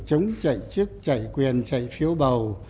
chống chạy chức chạy quyền chạy phiếu bầu